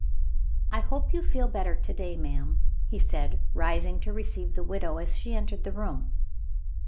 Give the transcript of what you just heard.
"I hope you feel better to day, madam," he said, rising to receive the widow when she entered the room.